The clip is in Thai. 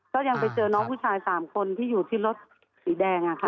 ก็ยังไปเจอน้องผู้ชาย๓คนที่อยู่ที่รถสีแดงอะค่ะ